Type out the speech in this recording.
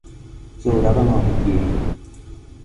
زورق ماهیگیری